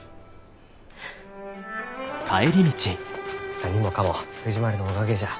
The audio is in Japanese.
何もかも藤丸のおかげじゃ。